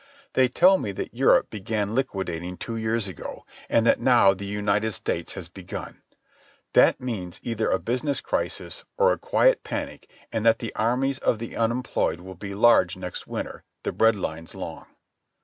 They tell me that Europe began liquidating two years ago, and that now the United States has begun. That means either a business crisis or a quiet panic and that the armies of the unemployed will be large next winter, the bread lines long.